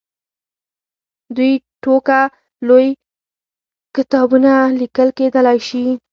دوې ټوکه لوی کتابونه لیکل کېدلای شي.